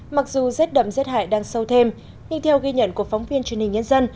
mặc dù rết đậm rết hải đang sâu thêm nhưng theo ghi nhận của phóng viên truyền hình nhân dân